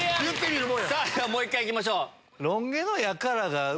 もう１回いきましょう。